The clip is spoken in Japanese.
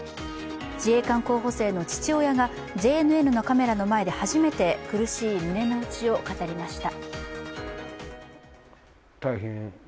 自衛官候補生の父親がＪＮＮのカメラの前で初めて苦しい胸のうちを語りました。